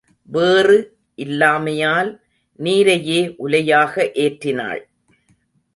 வேறு இல்லாமையால் நீரையே உலையாக ஏற்றினாள்.